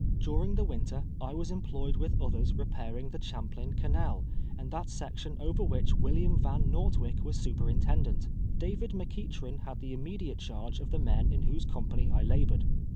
During the winter I was employed with others re 2:)airing the Chani})lain Canal, on that section over which AVilliam Van Xortwick was superintendent. David McEachron had the immediate charge of the men in whose company I labored.